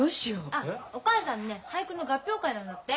あお母さんね俳句の合評会なんだって。